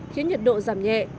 khiến nhiệt độ giảm nhẹ